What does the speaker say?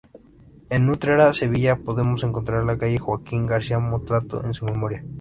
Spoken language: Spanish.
En Utrera, Sevilla podemos encontrar la calle Joaquín Garcia Morato en su memoria.